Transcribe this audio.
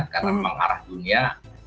karena memang arah dunia